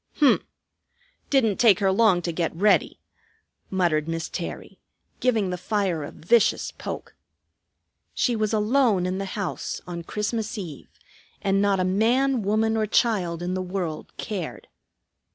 "H'm! Didn't take her long to get ready!" muttered Miss Terry, giving the fire a vicious poke. She was alone in the house, on Christmas Eve, and not a man, woman, or child in the world cared.